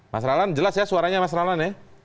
mas rahlan jelas ya suaranya mas rahlan ya